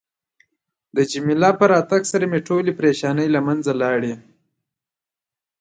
د جميله په راتګ سره مې ټولې پریشانۍ له منځه لاړې.